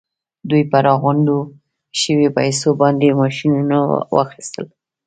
دوی په راغونډو شويو پیسو باندې ماشينونه واخيستل.